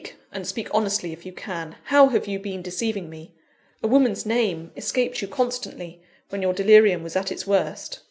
and speak honestly if you can. How have you been deceiving me? A woman's name escaped you constantly, when your delirium was at its worst.